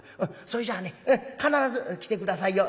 それじゃあね必ず来て下さいよ。